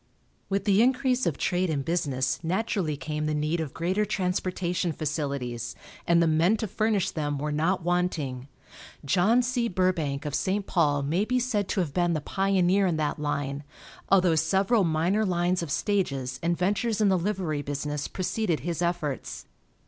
With the increase of trade and business naturally came the need of greater transportation facilities, and the men to furnish them were not wanting. John C. Burbank of St. Paul may be said to have been the pioneer in that line, although several minor lines of stages and ventures in the livery business preceded his efforts.